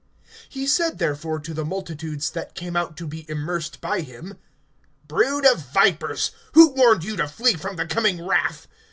(7)He said therefore to the multitudes that came out to be immersed by him: Brood of vipers, who warned you to flee from the coming wrath?